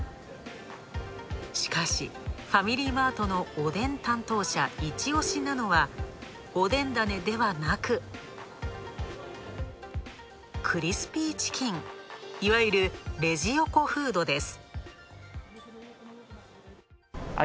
しかし、ファミリーマートのおでん担当者一押しなのは、おでん種ではなく、クリスピーチキンいわゆるレジ横フードです。